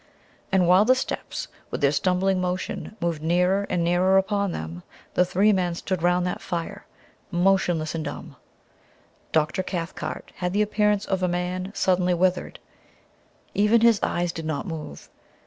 And while the steps, with their stumbling motion, moved nearer and nearer upon them, the three men stood round that fire, motionless and dumb. Dr. Cathcart had the appearance of a man suddenly withered; even his eyes did not move.